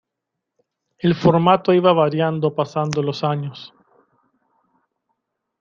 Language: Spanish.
El formato iba variando pasando los años.